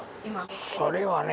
それはね。